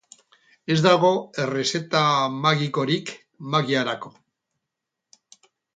Ez dago errezeta magikorik magiarako.